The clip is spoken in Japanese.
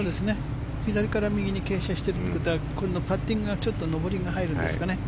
左から右に傾斜しているということはパッティングがちょっと上りが入るんですかね。